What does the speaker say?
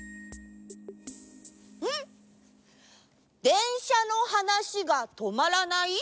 「でんしゃのはなしがとまらない」？